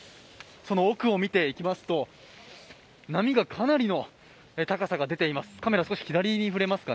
奥を見ていきますと波がかなりの高さが出ています。